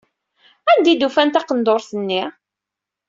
Anda ay d-ufan taqendurt-nni?